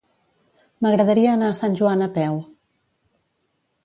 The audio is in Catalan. M'agradaria anar a Sant Joan a peu.